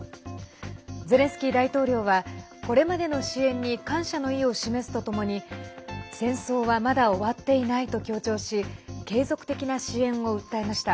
ゼレンスキー大統領はこれまでの支援に感謝の意を示すとともに戦争はまだ終わっていないと強調し継続的な支援を訴えました。